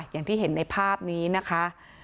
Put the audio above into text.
อย่างที่เห็นในภาพนี้นะคะ